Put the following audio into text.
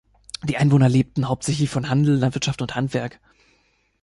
Die Einwohner lebten hauptsächlich von Handel, Landwirtschaft und Handwerk.